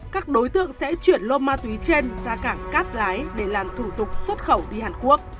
các đối tượng sẽ chuyển lô ma túy trên ra cảng cát lái để làm thủ tục xuất khẩu đi hàn quốc